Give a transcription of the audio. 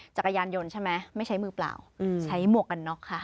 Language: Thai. จักรยานยนต์ใช่ไหมไม่ใช้มือเปล่าใช้หมวกกันน็อกค่ะ